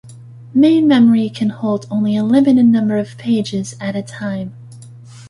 Main memory can hold only a limited number of pages at a time.